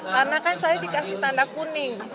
karena kan saya dikasih tanda kuning